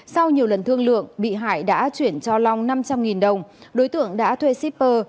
sau nhiều lần thương lượng bị hại đã chuyển cho long năm trăm linh đồng đối tượng đã thuê shipper